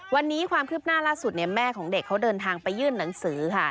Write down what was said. วันนี้ความคืบหน้าล่าสุดแม่ของเด็กเขาเดินทางไปยื่นหนังสือค่ะ